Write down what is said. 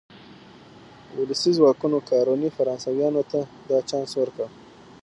ولسي ځواکونو کارونې فرانسویانو ته دا چانس ورکړ.